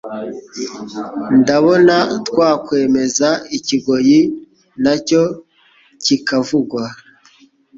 ndabona twakwemeza ikigoyi nacyo kiikavugwa